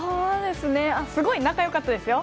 すごい仲良かったですよ。